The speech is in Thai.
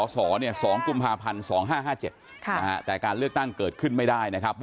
สองปภาพันธุ์สองห้าห้าเจ็ดค่ะแต่การเลือกตั้งเกิดขึ้นไม่ได้นะครับ